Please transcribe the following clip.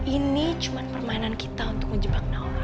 ini cuma permainan kita untuk menjebak naoma